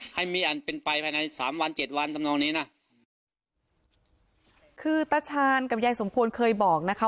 ให้มีอันเป็นไปภายในสามวันเจ็ดวันทำนองนี้นะคือตาชาญกับยายสมควรเคยบอกนะคะ